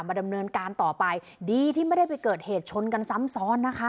ดำเนินการต่อไปดีที่ไม่ได้ไปเกิดเหตุชนกันซ้ำซ้อนนะคะ